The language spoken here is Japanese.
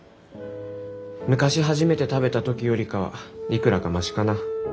昔初めて食べた時よりかはいくらかマシかな。